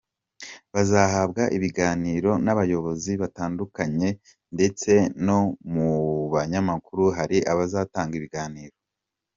Bazahabwa ibiganiro n’abayobozi batandukanye, ndetse no mu banyamakuru hari abazatanga ibiganiro.